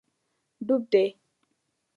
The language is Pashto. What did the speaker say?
ډوب دی